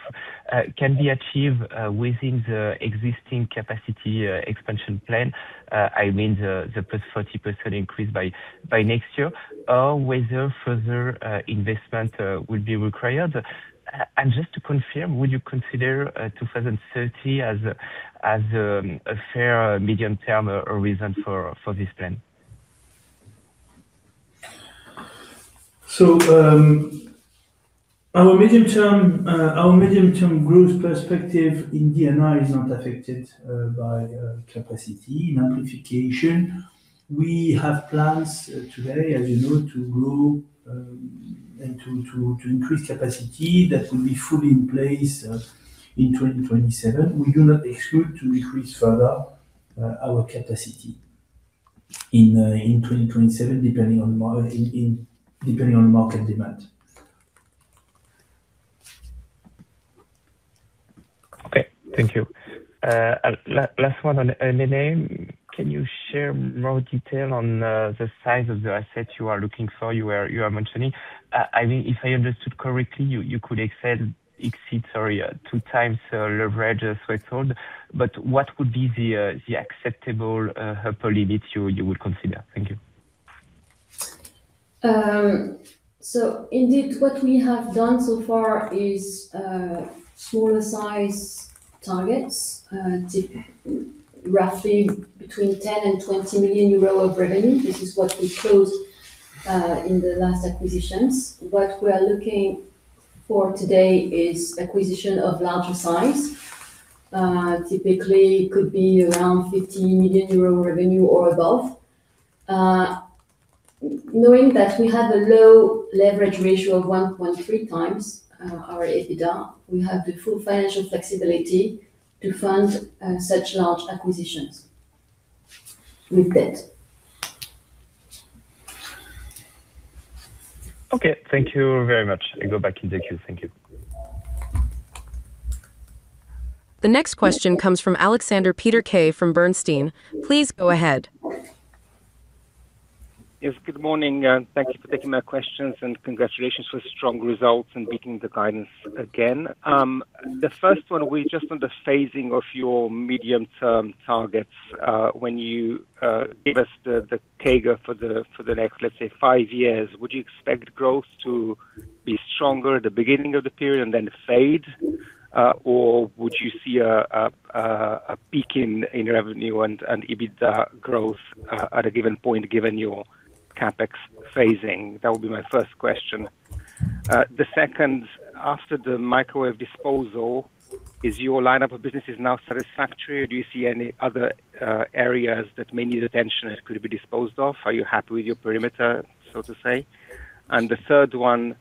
can be achieved within the existing capacity expansion plan? I mean, the plus 40% increase by next year, or whether further investment will be required. Just to confirm, would you consider 2030 as a, as a fair medium-term horizon for this plan? Our medium-term, our medium-term growth perspective in D&I is not affected by capacity. In amplification, we have plans today, as you know, to grow and to, to, to increase capacity that will be fully in place in 2027. We do not exclude to increase further our capacity in 2027, depending on market demand. Okay, thank you. last one on M&A. Can you share more detail on the size of the assets you are looking for, you are mentioning? I mean, if I understood correctly, you, you could exceed, sorry, 2 times the leverage threshold, but what would be the acceptable, hopefully that you, you would consider? Thank you. Indeed, what we have done so far is smaller size targets, roughly between 10 million and 20 million euro of revenue. This is what we closed in the last acquisitions. What we are looking for today is acquisition of larger size. Typically could be around 50 million euro revenue or above. Knowing that we have a low leverage ratio of 1.3 times our EBITDA, we have the full financial flexibility to fund such large acquisitions with debt. Okay, thank you very much. I go back in the queue. Thank you. The next question comes from Aleksander Peterc from Bernstein. Please go ahead. Yes, good morning, and thank you for taking my questions, and congratulations for the strong results and beating the guidance again. The first one, we just on the phasing of your medium-term targets. When you give us the CAGR for the next, let's say, five years, would you expect growth to be stronger at the beginning of the period and then fade? Or would you see a peak in revenue and EBITDA growth at a given point, given your CapEx phasing? That would be my first question. The second, after the microwave disposal, is your lineup of businesses now satisfactory, or do you see any other areas that may need attention and could be disposed of? Are you happy with your perimeter, so to say? The third one,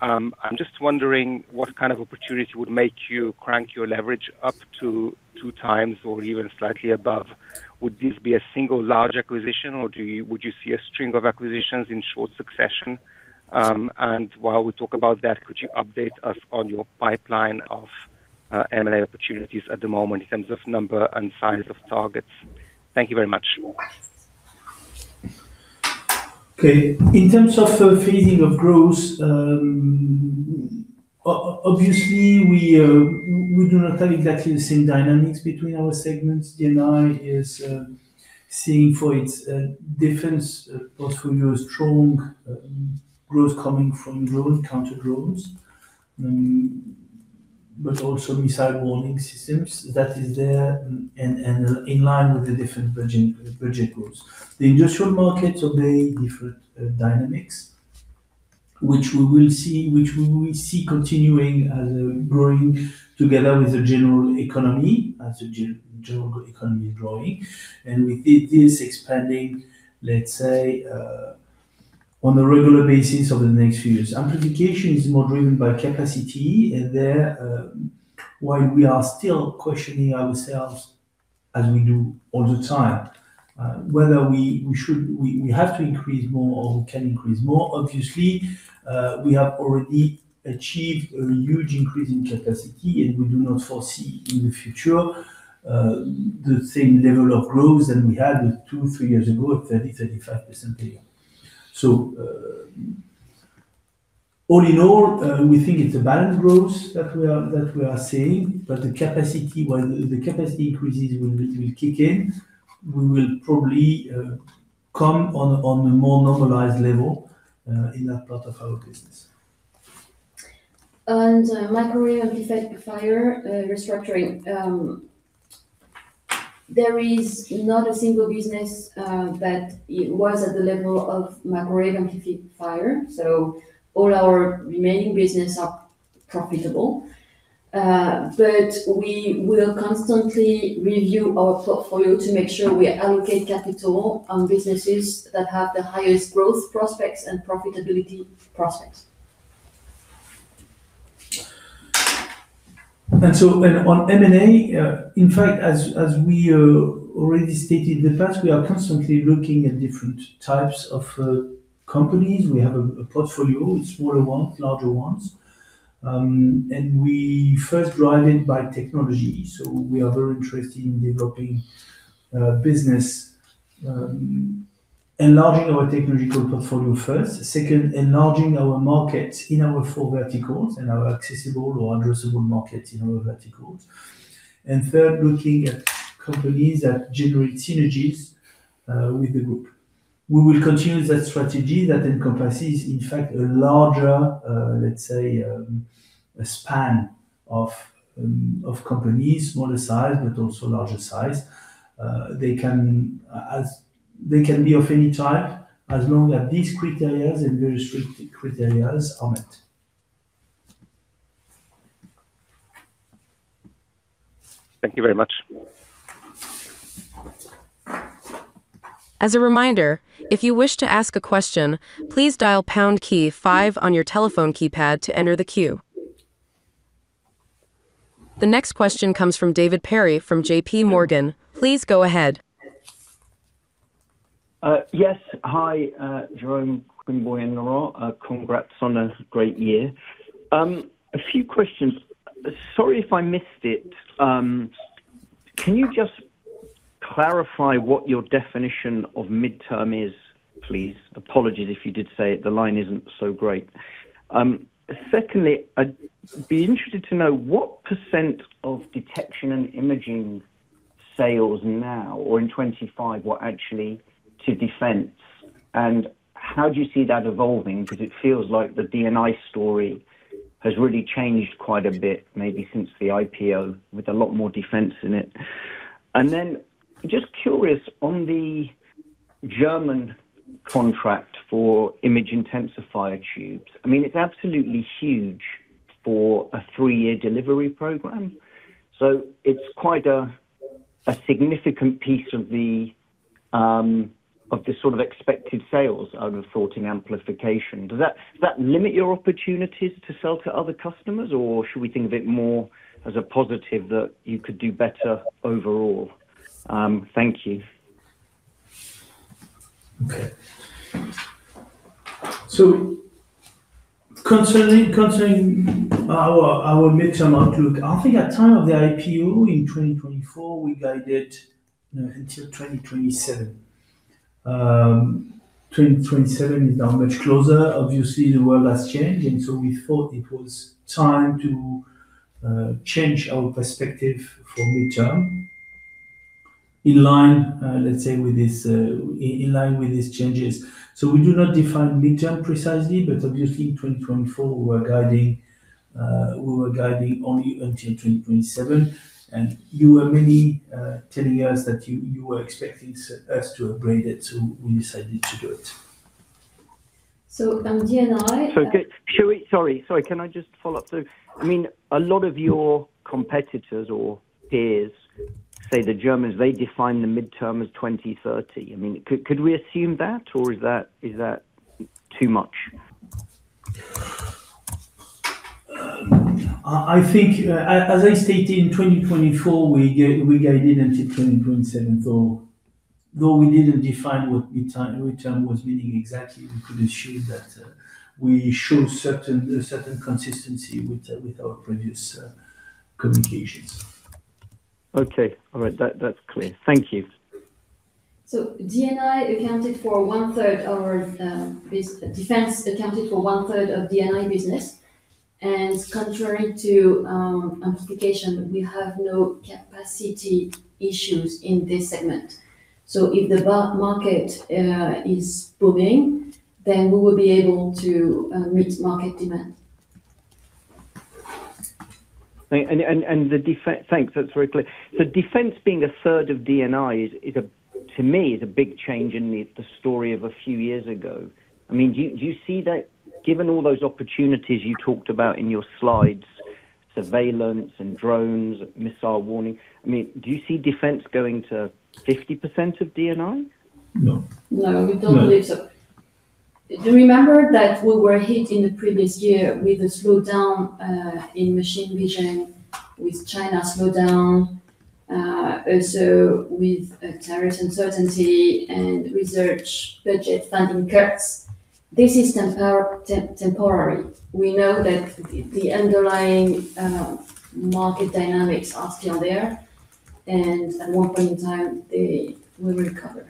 I'm just wondering what kind of opportunity would make you crank your leverage up to 2 times or even slightly above. Would this be a single large acquisition, or would you see a string of acquisitions in short succession? While we talk about that, could you update us on your pipeline of M&A opportunities at the moment in terms of number and size of targets? Thank you very much. Okay. In terms of the phasing of growth, obviously, we do not have exactly the same dynamics between our segments. D&I is seeing for its defense portfolio, a strong growth coming from drone counter drones, but also missile warning systems. That is there and in line with the different budget goals. The industrial markets obey different dynamics, which we will see continuing as growing together with the general economy, as the general economy growing, and with it is expanding, let's say, on a regular basis over the next few years. Amplification is more driven by capacity, and there, while we are still questioning ourselves, as we do all the time, whether we should increase more or we can increase more. Obviously, we have already achieved a huge increase in capacity, and we do not foresee in the future, the same level of growth that we had two, three years ago, of 30%-35% a year. All in all, we think it's a balanced growth that we are, that we are seeing, but the capacity while the capacity increases will, will kick in, we will probably, come on a, on a more normalized level in that part of our business. Microwave amplifier restructuring. There is not a single business that it was at the level of microwave amplifier, so all our remaining business are profitable. We will constantly review our portfolio to make sure we allocate capital on businesses that have the highest growth prospects and profitability prospects. On M&A, in fact, as we already stated, in fact, we are constantly looking at different types of companies. We have a portfolio, smaller ones, larger ones. We first drive it by technology, so we are very interested in developing business, enlarging our technological portfolio first. Second, enlarging our market in our four verticals, in our accessible or addressable markets in our verticals. Third, looking at companies that generate synergies with the group. We will continue that strategy that encompasses, in fact, a larger, let's say, a span of companies, smaller size, but also larger size. They can be of any type, as long as these criteria and very strict criteria are met. Thank you very much. As a reminder, if you wish to ask a question, please dial pound key five on your telephone keypad to enter the queue. The next question comes from David Perry from J.P. Morgan. Please go ahead. Yes. Hi, Jerome, Quynh-Boi and Laurent, congrats on a great year. A few questions. Sorry if I missed it. Can you just clarify what your definition of midterm is, please? Apologies if you did say it, the line isn't so great. Secondly, I'd be interested to know what % of detection and imaging sales now or in 2025 were actually to defense, and how do you see that evolving? Because it feels like the D&I story has really changed quite a bit, maybe since the IPO, with a lot more defense in it. Just curious, on the German contract for image intensifier tubes, I mean, it's absolutely huge for a 3-year delivery program. It's quite a, a significant piece of the sort of expected sales of the thought in amplification. Does that, does that limit your opportunities to sell to other customers, or should we think of it more as a positive that you could do better overall? Thank you. Concerning, concerning our, our midterm outlook, I think at time of the IPO in 2024, we guided until 2027. 2027 is now much closer. Obviously, the world has changed, we thought it was time to change our perspective for midterm. In line with this, in line with these changes. We do not define midterm precisely, obviously in 2024, we were guiding, we were guiding only until 2027. You were mainly telling us that you, you were expecting us to upgrade it, we decided to do it. On D&I. Sorry, sorry, can I just follow up? I mean, a lot of your competitors or peers, say, the Germans, they define the midterm as 2030. I mean, could we assume that, or is that, is that too much? I, I think, as, as I stated, in 2024, we guided, we guided until 2027, though, though we didn't define what midterm, midterm was meaning exactly, we could ensure that we show certain, a certain consistency with our previous communications. Okay. All right, that, that's clear. Thank you. D&I accounted for one third of our defense accounted for one third of D&I business, and contrary to amplification, we have no capacity issues in this segment. If the market is booming, then we will be able to meet market demand. Thanks, that's very clear. Defense being one-third of D&I is a, to me, is a big change in the story of a few years ago. I mean, do you, do you see that, given all those opportunities you talked about in your slides, surveillance and drones, missile warning, I mean, do you see defense going to 50% of D&I? No. No, we don't believe so. You remember that we were hit in the previous year with a slowdown in machine vision, with China slowdown, also with tariff uncertainty and research budget funding cuts. This is temporary. We know that the underlying market dynamics are still there, and at one point in time, they will recover.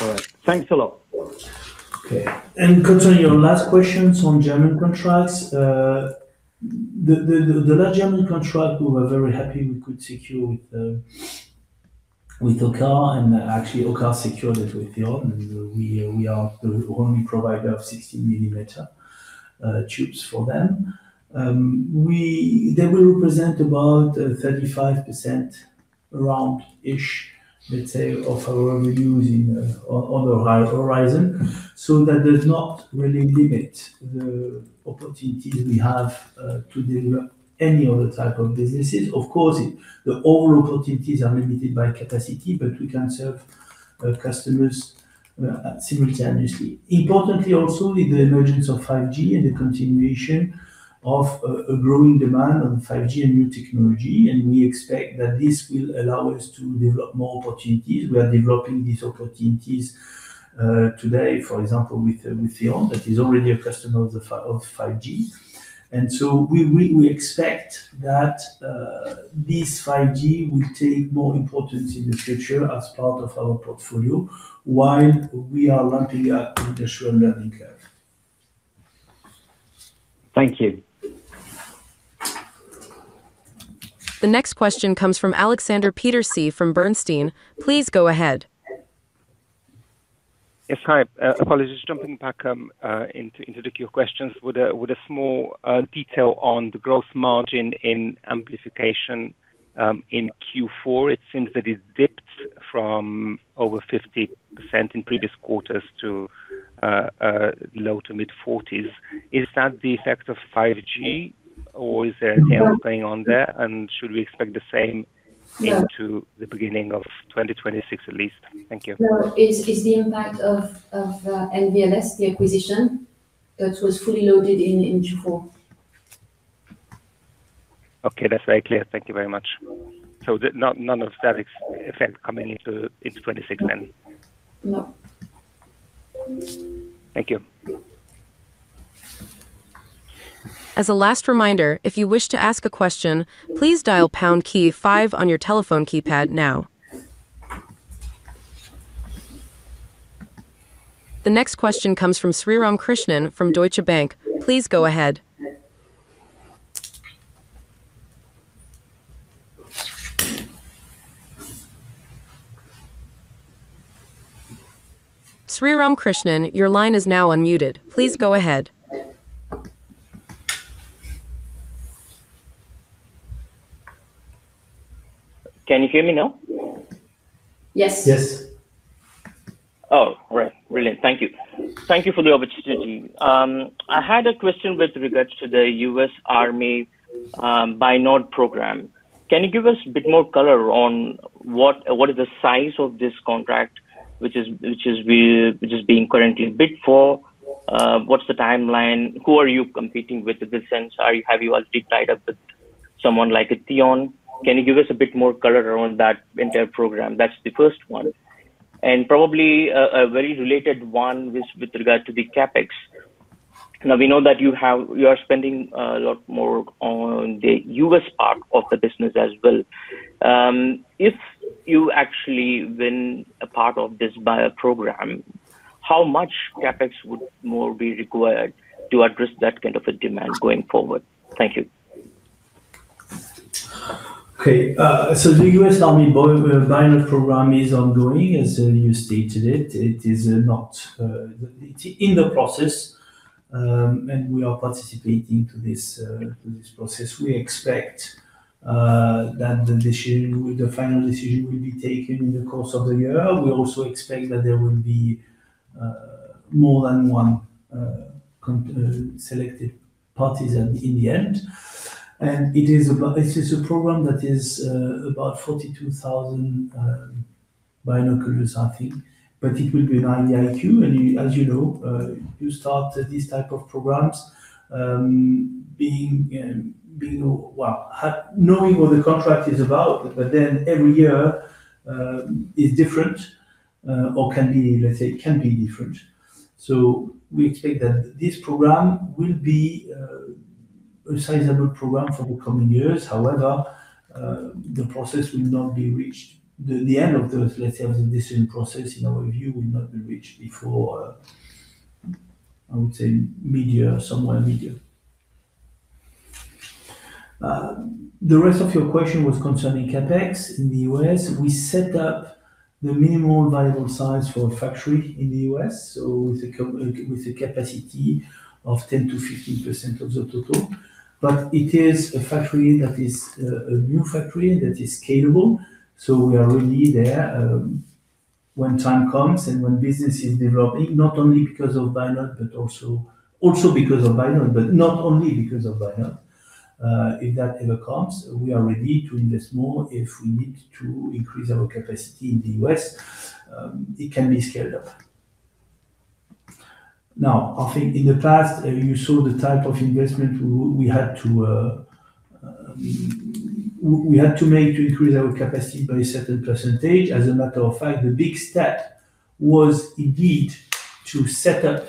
All right. Thanks a lot. Okay. Concerning your last questions on German contracts, the large German contract, we were very happy we could secure with OCCAR, and actually, OCCAR secured it with you, and we, we are the only provider of 16 millimeter tubes for them. They will represent about 35% around-ish, let's say, of our revenues on the horizon. That does not really limit the opportunities we have to deliver any other type of businesses. Of course, the overall opportunities are limited by capacity, but we can serve customers simultaneously. Importantly, also, with the emergence of 5G and the continuation of a growing demand on 5G and new technology, we expect that this will allow us to develop more opportunities. We are developing these opportunities, today, for example, with, with Theon, that is already a customer of the 5G. So we, we, we expect that, this 5G will take more importance in the future as part of our portfolio, while we are ramping up with the learning curve. Thank you. The next question comes from Aleksander Peterc from Bernstein. Please go ahead. Yes. Hi, apologies. Jumping back into the queue of questions with a small detail on the growth margin in amplification in Q4. It seems that it dipped from over 50% in previous quarters to a low to mid-40s. Is that the effect of 5G, or is there anything going on there? Should we expect the same into the beginning of 2026, at least? Thank you. No, it's the impact of NVLS, the acquisition that was fully loaded in Q4. Okay, that's very clear. Thank you very much. None of that effect coming into 2026, then? No. Thank you. As a last reminder, if you wish to ask a question, please dial pound key five on your telephone keypad now. The next question comes from Sriram Krishnan from Deutsche Bank. Please go ahead. Sriram Krishnan, your line is now unmuted. Please go ahead. Can you hear me now? Yes. Yes. Oh, great. Brilliant. Thank you. Thank you for the opportunity. I had a question with regards to the US Army BiNOD program. Can you give us a bit more color on what, what is the size of this contract, which is being currently bid for? What's the timeline? Who are you competing with, in this sense? Have you already tied up with someone like a Theon? Can you give us a bit more color around that entire program? That's the first one, and probably a, a very related one with, with regard to the CapEx. Now, we know that you are spending a lot more on the US part of the business as well. If you actually win a part of this buyer program, how much CapEx would more be required to address that kind of a demand going forward? Thank you. The US Army BiNOD program is ongoing, as you stated it. It is not, it's in the process, and we are participating to this, to this process. We expect that the decision, the final decision will be taken in the course of the year. We also expect that there will be more than one selected parties in, in the end. It is this is a program that is about 42,000 binoculars, I think. It will be an IDIQ, and you, as you know, you start these type of programs, being well, knowing what the contract is about, but then every year is different, or can be, let's say, can be different. We expect that this program will be a sizable program for the coming years. However, the process will not be reached. The end of those, let's say, of the decision process, in our view, will not be reached before, I would say midyear, somewhere midyear. The rest of your question was concerning CapEx in the U.S. We set up the minimal viable size for a factory in the U.S., with a capacity of 10%-15% of the total. It is a factory that is a new factory that is scalable. We are already there, when time comes and when business is developing, not only because of BiNOD, but also, also because of BiNOD, but not only because of BiNOD. If that ever comes, we are ready to invest more. If we need to increase our capacity in the US, it can be scaled up. Now, I think in the past, you saw the type of investment we had to make to increase our capacity by a certain percentage. As a matter of fact, the big step was indeed to decide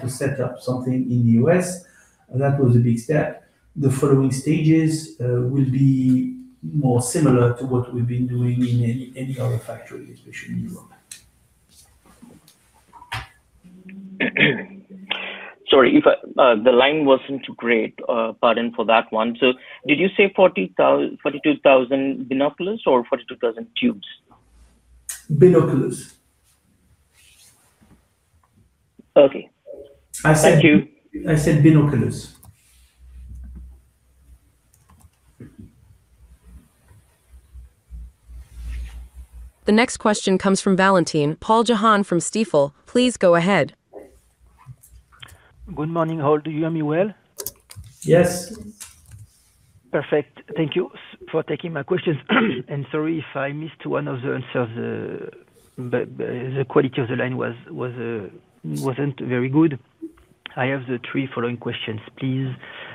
to set up something in the US. That was a big step. The following stages will be more similar to what we've been doing in any, any other factory, especially in Europe. Sorry, if, the line wasn't great, pardon for that one. Did you say 42,000 binoculars or 42,000 tubes? Binoculars. Okay. I said you, I said binoculars. The next question comes from Valentin-Paul Jehan from Stifel. Please go ahead. Good morning all. Do you hear me well? Yes. Perfect. Thank you for taking my questions. Sorry if I missed one of the answers, but the quality of the line was, wasn't very good. I have the three following questions, please.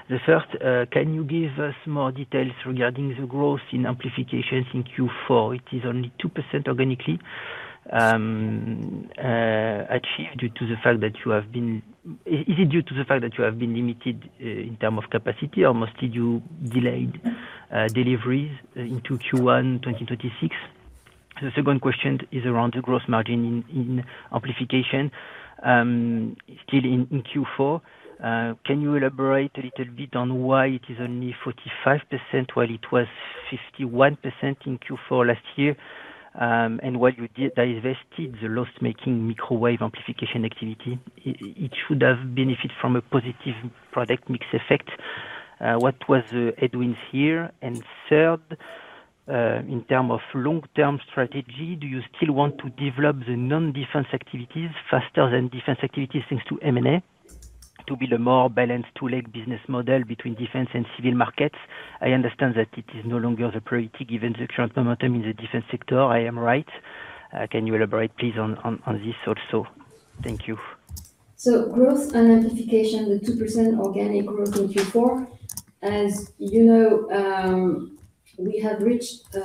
The first, can you give us more details regarding the growth in amplification in Q4? It is only 2% organically achieved due to the fact that you have been limited in term of capacity, or must you delayed deliveries into Q1 2026? The second question is around the growth margin in amplification, still in Q4. Can you elaborate a little bit on why it is only 45%, while it was 51% in Q4 last year? While you did divested the loss-making microwave amplification activity, it should have benefit from a positive product mix effect. What was the headwinds here? Third, in term of long-term strategy, do you still want to develop the non-defense activities faster than defense activities, thanks to M&A, to build a more balanced two-leg business model between defense and civil markets? I understand that it is no longer the priority, given the current momentum in the defense sector. I am right? Can you elaborate, please, on, on, on this also? Thank you. Growth and amplification, the 2% organic growth in Q4. As you know, we had reached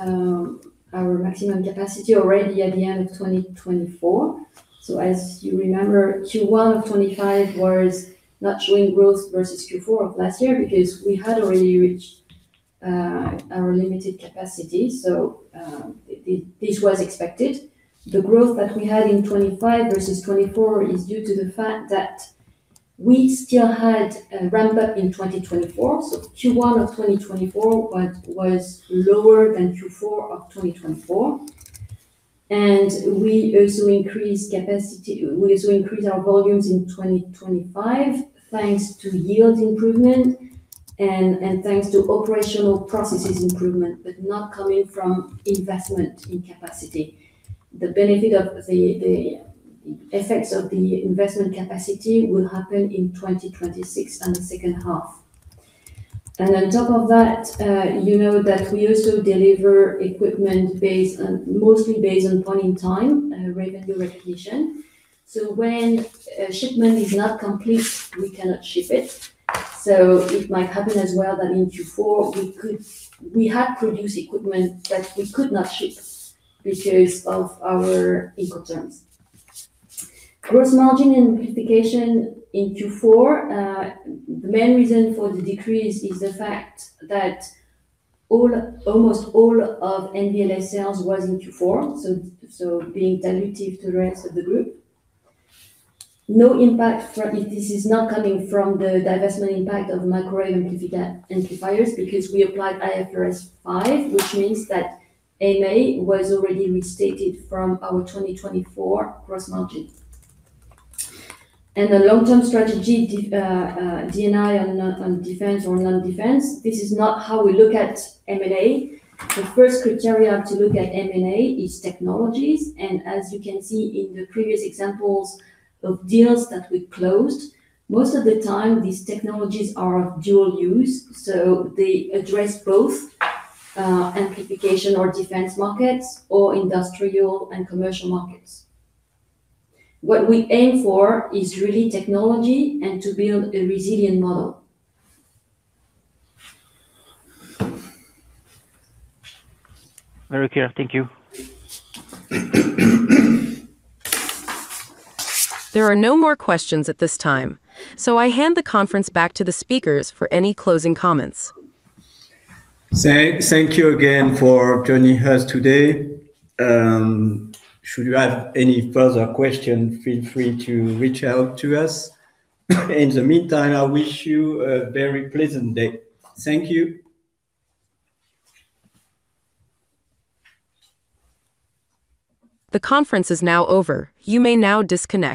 our maximum capacity already at the end of 2024. As you remember, Q1 of 2025 was not showing growth versus Q4 of last year because we had already reached our limited capacity. This was expected. The growth that we had in 2025 versus 2024 is due to the fact that we still had a ramp-up in 2024, so Q1 of 2024 was lower than Q4 of 2024. We also increased our volumes in 2025, thanks to yield improvement and thanks to operational processes improvement, but not coming from investment in capacity. The benefit of the effects of the investment capacity will happen in 2026, in the second half. On top of that, you know that we also deliver equipment based on, mostly based on point in time, revenue recognition. When a shipment is not complete, we cannot ship it. It might happen as well that in Q4, we had produced equipment that we could not ship because of our Incoterms. Gross margin and amplification in Q4, the main reason for the decrease is the fact that all, almost all of NVLS sales was in Q4, so being dilutive to the rest of the group. This is not coming from the divestment impact of microwave amplifiers, because we applied IFRS 5, which means that MA was already restated from our 2024 gross margin. The long-term strategy, D&I on, on defense or non-defense, this is not how we look at M&A. The first criteria to look at M&A is technologies, and as you can see in the previous examples of deals that we closed, most of the time, these technologies are of dual use, so they address both, amplification or defense markets or industrial and commercial markets. What we aim for is really technology and to build a resilient model. Very clear. Thank you. There are no more questions at this time, so I hand the conference back to the speakers for any closing comments. Thank you again for joining us today. Should you have any further questions, feel free to reach out to us. In the meantime, I wish you a very pleasant day. Thank you. The conference is now over. You may now disconnect.